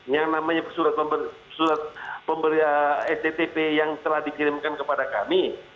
yang namanya surat pemberi sttp yang telah dikirimkan kepada kami